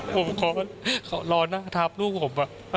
ผมขอรอหน้าทับลูกผม